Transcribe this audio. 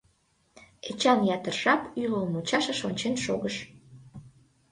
Эчан ятыр жап ӱлыл мучашыш ончен шогыш.